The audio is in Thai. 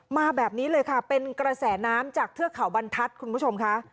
มาแบบนี้เลยค่ะเป็นกระแสน้ำจากเทือกเขาบรรทัศน์คุณผู้ชมค่ะ